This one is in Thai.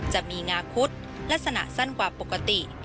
จะมีงาคุดลักษณะสั้นกว่าปกติ